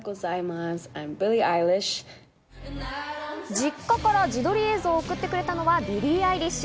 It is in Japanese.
実家から自撮り映像を送ってくれたのはビリー・アイリッシュ。